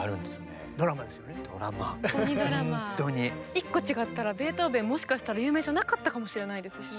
一個違ったらベートーベンもしかしたら有名じゃなかったかもしれないですしね。